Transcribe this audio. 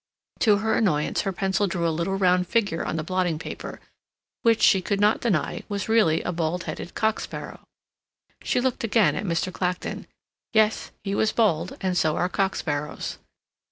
To her annoyance, her pencil drew a little round figure on the blotting paper, which, she could not deny, was really a bald headed cock sparrow. She looked again at Mr. Clacton; yes, he was bald, and so are cock sparrows.